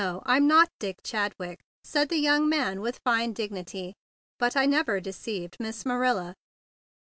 "No, I'm not Dick Chadwick," said the young man with fine dignity. "But I never deceived Miss Marilla."